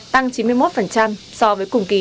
tăng chín mươi một so với cùng kỳ